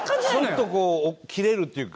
ちょっとキレるっていうか。